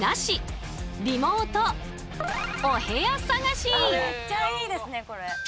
更にねめっちゃいいですねこれ。